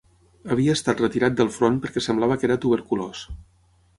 Havia estat retirat del front perquè semblava que era tuberculós